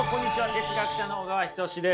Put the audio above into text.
哲学者の小川仁志です。